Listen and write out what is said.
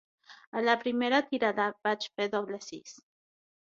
A la primera tirada vaig fer doble sis.